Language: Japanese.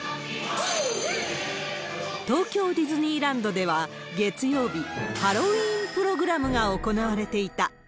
東京ディズニーランドでは月曜日、ハロウィーンプログラムが行われていた。